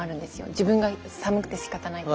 自分が寒くてしかたない時。